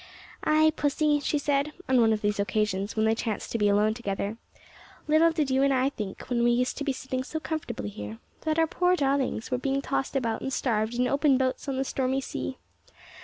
"Ay, pussy," she said, on one of these occasions when they chanced to be alone together, "little did you and I think, when we used to be sitting so comfortably here, that our darlings were being tossed about and starved in open boats on the stormy sea!